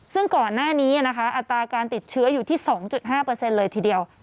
ซึ่งก่อนหน้านี้นะคะอัตราการติดเชื้ออยู่ที่๒๕เลยทีเดียว